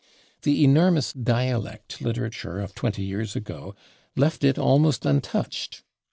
The enormous dialect literature of twenty years ago left it almost untouched.